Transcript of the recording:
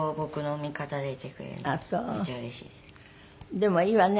でもいいわね。